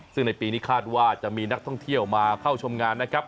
ซึ่งในปีนี้คาดว่าจะมีนักท่องเที่ยวมาเข้าชมงานนะครับ